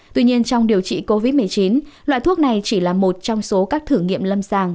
tuy nhiên trong điều trị covid một mươi chín loại thuốc này chỉ là một trong số các thử nghiệm lâm sàng